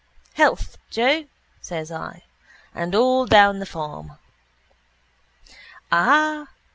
—Health, Joe, says I. And all down the form. Ah!